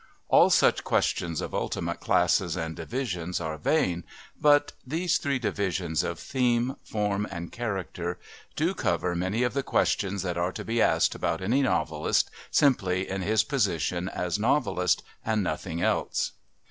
All such questions of ultimate classes and divisions are vain, but these three divisions of Theme, Form and Character do cover many of the questions that are to be asked about any novelist simply in his position as novelist and nothing else.